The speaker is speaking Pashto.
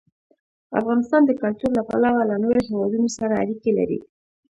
افغانستان د کلتور له پلوه له نورو هېوادونو سره اړیکې لري.